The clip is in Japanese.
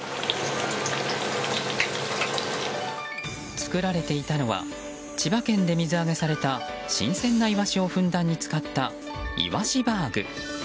作られていたのは千葉県で水揚げされた新鮮なイワシをふんだんに使ったいわしバーグ。